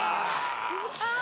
あ！